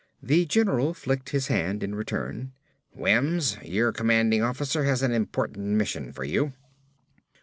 The general flicked his hand in return. "Wims, your commanding officer has an important mission for you."